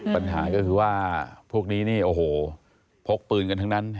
ปัญหาก็คือว่าพวกนี้นี่โอ้โหพกปืนกันทั้งนั้น